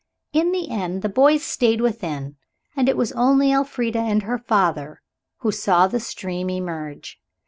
In the end the boys stayed within, and it was only Elfrida and her father who saw the stream emerge.